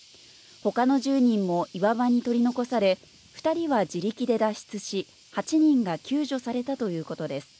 ほかの１０人も岩場に取り残され、２人は自力で脱出し、８人が救助されたということです。